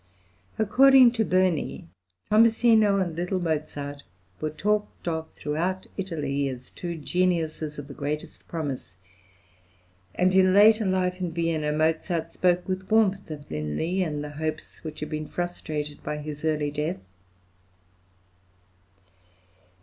According to Burney, Tommasino and little Mozart were talked of throughout Italy as two geniuses of the greatest promise, and in later life at Vienna, Mozart spoke with warmth of Linley, and the hopes which had been frustrated by his early death.